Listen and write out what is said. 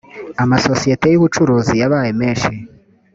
amasosiyete y’ubucuruzi yabaye menshi